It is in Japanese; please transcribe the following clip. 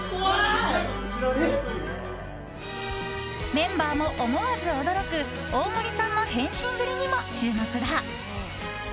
メンバーも思わず驚く大森さんの変身ぶりにも注目だ。